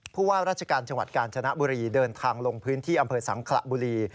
ผู้ว่าราชการจังหวัดกาญจนบุรีเดินทางลงพื้นที่อำเภอสังขระบุรี